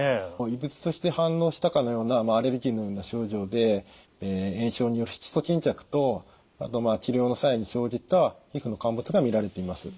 異物として反応したかのようなアレルギーのような症状で炎症による色素沈着とあと治療の際に生じた皮膚の陥没が見られています。